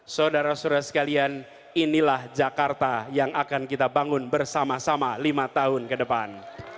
saudara saudara sekalian inilah jakarta yang akan kita bangun bersama sama lima tahun ke depan